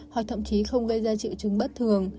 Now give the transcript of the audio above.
hoặc thậm chí không gây ra triệu chứng bất thường